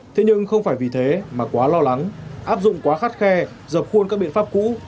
thế nhưng không phải vì thế mà quá lo lắng áp dụng quá khắt khe dập khuôn các biện pháp cũ